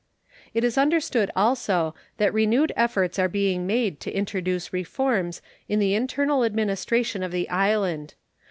It is understood also that renewed efforts are being made to introduce reforms in the internal administration of the island.